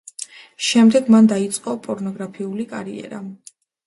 შემდეგ მან დაიწყო პორნოგრაფიული კარიერა.